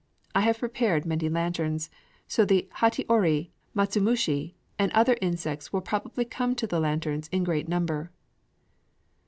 I have prepared many lanterns; so the hata ori, matsumushi, and other insects will probably come to the lanterns in great number."